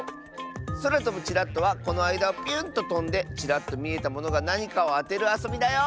「そらとぶチラッと」はこのあいだをピュンととんでチラッとみえたものがなにかをあてるあそびだよ！